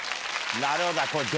なるほど。